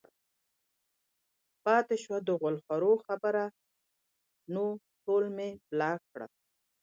پاتې شوه د غول خورو خبره نو ټول مې بلاک کړل